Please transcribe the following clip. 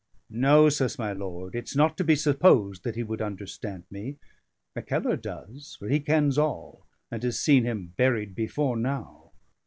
"No," says my lord, "it's not to be supposed that he would understand me. Mackellar does, for he kens all, and has seen him buried before now.